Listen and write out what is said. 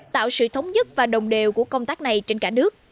tạo sự thống nhất và đồng đều của công tác này trên cả nước